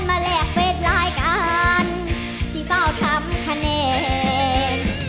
มาแรกเวทรายการที่เป้าทำคะแนน